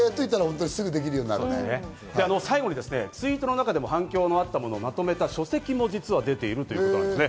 最後にツイートの中でも反響のあったものをまとめた書籍も実は出ているということなんです。